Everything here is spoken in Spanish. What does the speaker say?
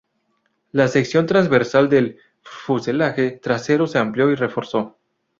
La sección transversal del fuselaje trasero se amplió y reforzó.